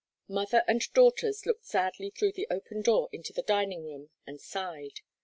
Mother and daughters looked sadly through the open door into the dining room and sighed.